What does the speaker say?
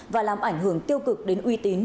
và làm ảnh hưởng tiêu cực đến uy tín